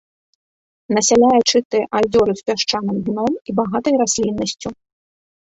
Насяляе чыстыя азёры з пясчаным дном і багатай расліннасцю.